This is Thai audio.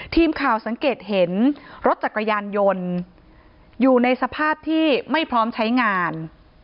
ทีมข่าวสังเกตเห็นรถจักรยานยนต์อยู่ในสภาพที่ไม่พร้อมใช้งาน